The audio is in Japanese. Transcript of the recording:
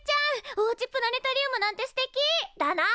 おうちプラネタリウムなんてすてき！だな！